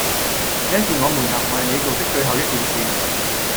這是我們能為你做的最後一件事！